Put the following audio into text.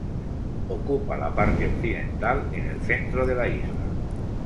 Ocupa la parte occidental en el centro de la isla.